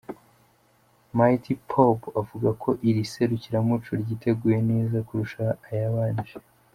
Mighty Popo avuga ko iri serukiramuco ryiteguwe neza kurusha ayabanje.